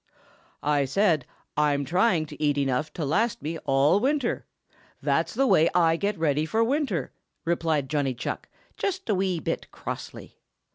"I said I'm trying to eat enough to last me all winter! That's the way I get ready for winter," replied Johnny Chuck, just a wee bit crossly.